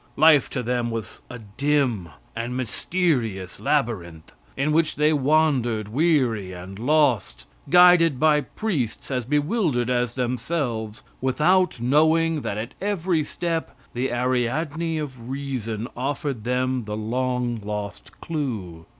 Life to them was a dim and mysterious labyrinth, in which they wandered weary, and lost, guided by priests as bewildered as themselves, without knowing that at every step the Ariadne of reason offered them the long lost clue.